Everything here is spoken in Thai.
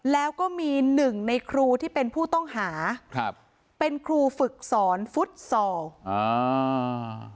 แล้วก็มีหนึ่งในครูที่เป็นผู้ต้องหาครับเป็นครูฝึกสอนฟุตซอลอ่า